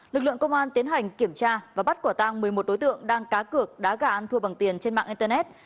lực lượng công an tiến hành kiểm tra và bắt quả tang một mươi một đối tượng đang cá cược đá gà ăn thua bằng tiền trên mạng internet